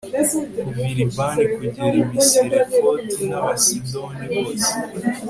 kuva i libani kugera i misirefoti, n'abasidoni bose